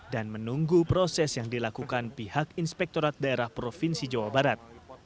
dan menunggu proses yang dilakukan pihak inspektorat daerah provinsi jawa barat